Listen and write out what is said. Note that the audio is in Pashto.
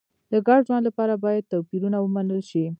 د ګډ ژوند لپاره باید توپیرونه ومنل شي.